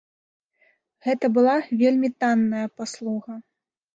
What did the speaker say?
Гэта была вельмі танная паслуга.